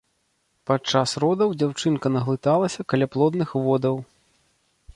Падчас родаў дзяўчынка наглыталася каляплодных водаў.